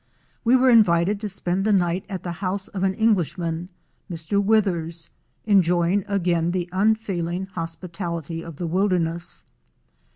We were invited to spend the night at the house of an Englishman, Mr. Withers, enjoying again the unfailing hospitality of the wilderness.